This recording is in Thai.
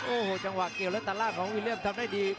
โอ้โหจังหวะเกี่ยวแล้วตัดล่างของวิลเลี่ยมทำได้ดี